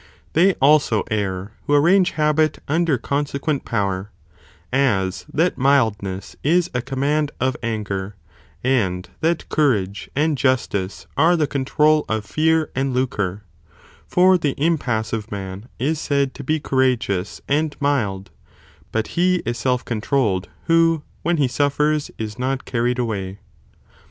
ne They also err, who arrange habit under con sequent power, as that mildness is a command of anger, and that courage and justice are the control of fear and lucre, for the impassive man is said to be cour ageous and mild, but he is self controlled, who, when he suffers, is not earried awdy.?